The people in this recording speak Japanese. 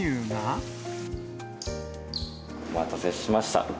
お待たせしました。